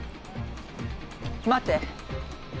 待って。